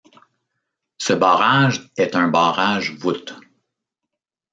Ce barrage est un barrage voûte.